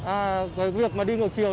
à cái việc mà đi ngược chiều